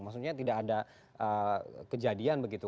maksudnya tidak ada kejadian begitu